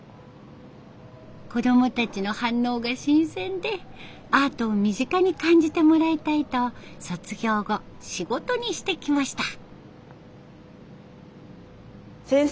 子どもたちの反応が新鮮でアートを身近に感じてもらいたいと卒業後仕事にしてきました。